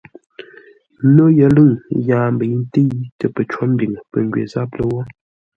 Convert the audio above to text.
No yəlʉ̂ŋ yaa mbəi ntə̂i tə pəcó mbiŋə pə̂ ngwê záp lə́wó.